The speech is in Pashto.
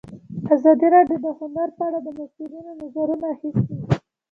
ازادي راډیو د هنر په اړه د مسؤلینو نظرونه اخیستي.